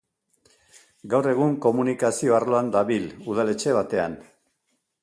Gaur egun, komunikazio arloan dabil, udaletxe batean.